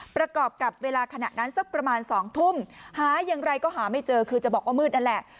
ประกอบกับเวลาขณะนั้นสักประมาณ๒ทุ่มหาอย่างไรก็หาไม่เจอคือจะบอกว่ามืดนั่นแหละ